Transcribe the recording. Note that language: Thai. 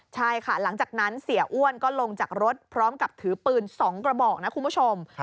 ใช่ค่ะหลังจากนั้นเสียอ้วนก็ลงจากรถพร้อมกับถือปืน๒กระบอกนะคุณผู้ชม